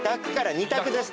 ２択です。